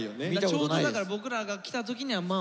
ちょうどだから僕らが来た時には。